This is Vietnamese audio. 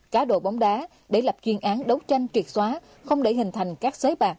cá đồ bóng đá để lập chuyên án đấu tranh truyệt xóa không để hình thành các xới bạc